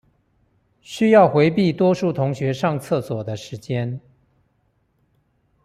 需要迴避多數同學上廁所的時間